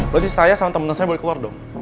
berarti saya sama temennya saya boleh keluar dong